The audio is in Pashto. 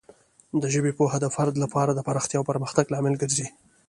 د ژبې پوهه د فرد لپاره د پراختیا او پرمختګ لامل ګرځي.